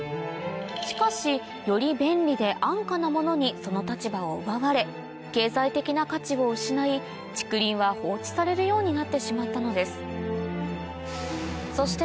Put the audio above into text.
しかしより便利で安価なものにその立場を奪われ経済的な価値を失い竹林は放置されるようになってしまったのですそして